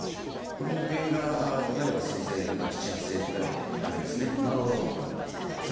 これも保険がかかるのが数千円７，０００８，０００円ぐらいで片目ですね済むと思います。